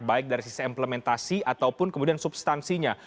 baik dari sisi implementasi ataupun kemudian substansinya